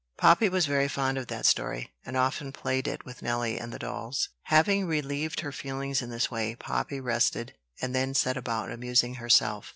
Poppy was very fond of that story, and often played it with Nelly and the dolls. Having relieved her feelings in this way, Poppy rested, and then set about amusing herself.